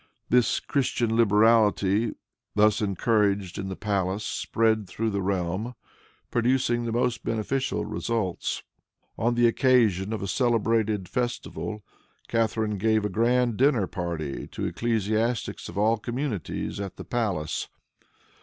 This Christian liberality, thus encouraged in the palace, spread through the realm, producing the most beneficial results. On the occasion of a celebrated festival, Catharine gave a grand dinner party to ecclesiastics of all communions at the palace.